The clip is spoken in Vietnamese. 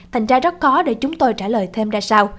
thành ra rất khó để chúng tôi trả lời thêm ra sao